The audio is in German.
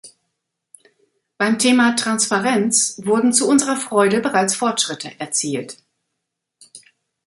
Beim Thema Transparenz wurden zu unserer Freude bereits Fortschritte erzielt.